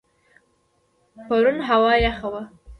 پرون هوا یخه وه.